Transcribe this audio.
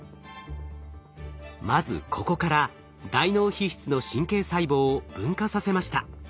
まずここから大脳皮質の神経細胞を分化させました。